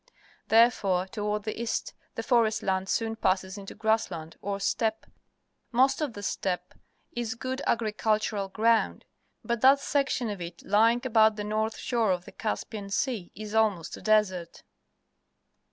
Therefore toward the east the forest land soon passes into grass land, or steppe. Most of the steppe is good agricultural ground, but that section of it lying about the north shore of the Caspian Sea is almost a desert.